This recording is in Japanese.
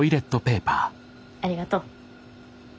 ありがとう。